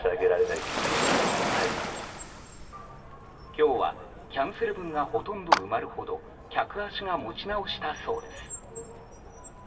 今日は、キャンセル分がほとんど埋まるほど客足が持ち直したそうです。